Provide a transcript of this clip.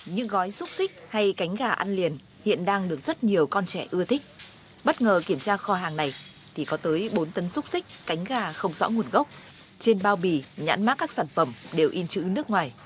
những gói xúc xích hay cánh gà ăn liền hiện đang được rất nhiều con trẻ ưa thích bất ngờ kiểm tra kho hàng này thì có tới bốn tấn xúc xích cánh gà không rõ nguồn gốc trên bao bì nhãn mát các sản phẩm đều in chữ nước ngoài